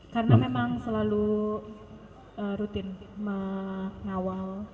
karena memang selalu rutin mengawal